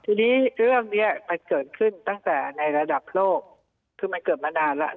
ทีนี้เรื่องเนี้ยมันเกิดขึ้นตั้งแต่ในระดับโลกคือมันเกิดมานานแล้ว